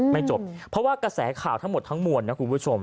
ไม่จบเพราะว่ากระแสข่าวทั้งหมดทั้งมวลนะคุณผู้ชม